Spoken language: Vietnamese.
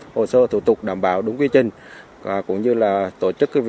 hồ sơ thủ tục đảm bảo đúng quy trình